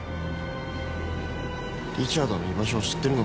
リチャードの居場所を知ってるのか？